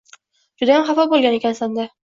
judayam xafa bo‘lgan ekansan-da?